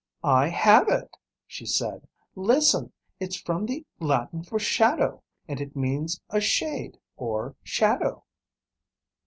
"I have it," she said. "Listen. It's from the Latin for 'shadow,' and it means 'a shade or shadow.'"